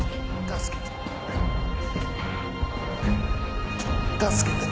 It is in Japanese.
・助けて。